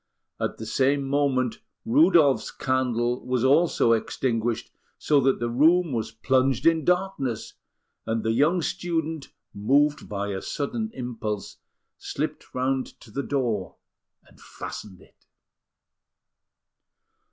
At the same moment, Rudolf's candle was also extinguished, so that the room was plunged in darkness; and the young student, moved by a sudden impulse, slipped round to the door and fastened it.